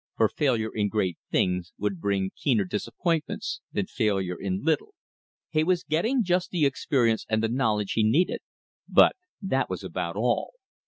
For failure in great things would bring keener disappointment than failure in little. He was getting just the experience and the knowledge he needed; but that was about all.